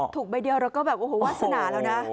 ใบเดียวเราก็แบบโอ้โหวาสนาแล้วนะ